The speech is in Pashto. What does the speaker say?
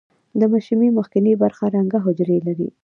د مشیمیې مخکینۍ برخه رنګه حجرې لري.